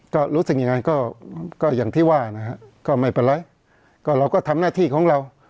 ก็รู้สึกยังไงก็ก็อย่างที่ว่านะฮะก็ไม่เป็นไรก็เราก็ทำหน้าที่ของเรา